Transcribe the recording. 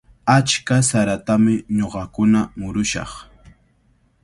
Achka saratami ñuqakuna murushaq.